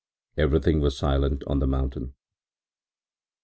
Everything was silent on the mountain.